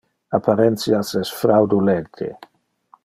Apparentias es fraudulente.